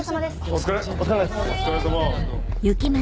お疲れさま。